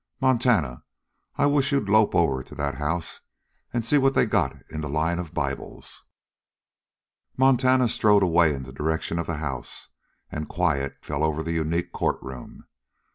Montana, I wished you'd lope over to that house and see what they got in the line of Bibles." Montana strode away in the direction of the house, and quiet fell over the unique courtroom.